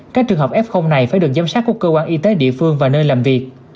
các trường hợp f này phải được giám sát của cơ quan y tế địa phương và nơi làm việc